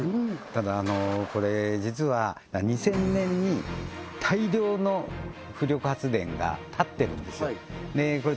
ただこれ実は２０００年に大量の風力発電が建ってるんですこれ